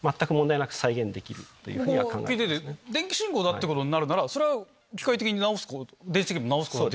僕も聞いてて電気信号だってことになるならそれは機械的に直すこと電子的にも直すことができる。